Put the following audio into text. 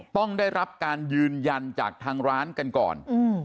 ต้องได้รับการยืนยันจากทางร้านกันก่อน